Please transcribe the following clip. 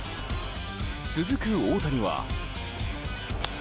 続く大谷は。